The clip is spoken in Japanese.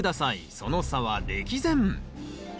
その差は歴然！